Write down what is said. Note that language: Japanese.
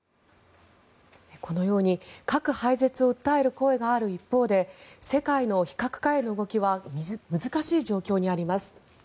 このように核廃絶を訴える声がある一方で世界の非核化への動きは難しい状況にあります。